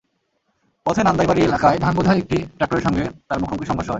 পথে নান্দায়বাড়ি এলাকায় ধানবোঝাই একটি ট্রাক্টরের সঙ্গে তাঁর মুখোমুখি সংঘর্ষ হয়।